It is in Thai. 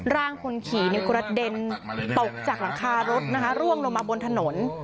ร่างคนขี่กระเด็นตกจากหลังคารถนะคะร่วงลงมาบนถนน